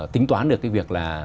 tính toán được cái việc là